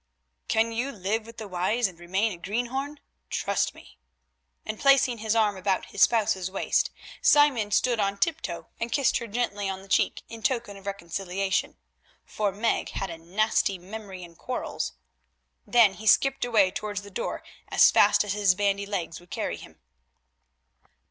"Can you live with the wise and remain a greenhorn? Trust me." And placing his arm about his spouse's waist, Simon stood on tiptoe and kissed her gently on the cheek in token of reconciliation, for Meg had a nasty memory in quarrels. Then he skipped away towards the door as fast as his bandy legs would carry him.